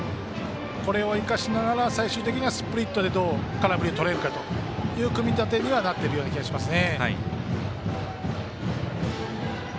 これを生かしながら最終的にはスプリットでどう空振りとれるかという組み立てにはなってると思います。